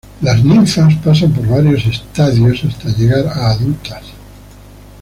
Las ninfas pasan por varios estadios hasta llegar a adultos.